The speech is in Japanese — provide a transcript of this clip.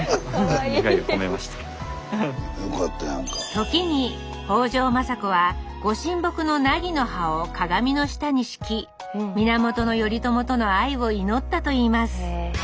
時に北条政子はご神木のナギの葉を鏡の下に敷き源頼朝との愛を祈ったといいます。